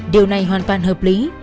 điều này hoàn toàn hợp lý